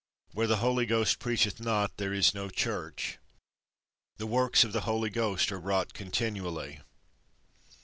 Where the Holy Ghost preacheth not, there is no Church. The works of the Holy Ghost are wrought continually.